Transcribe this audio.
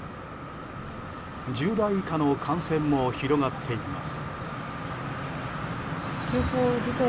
１０代以下の感染も広がっています。